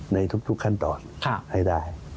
ในทุกขั้นตอนให้ได้